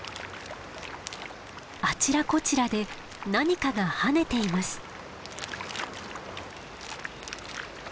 あちらこちらで何かが跳ねています。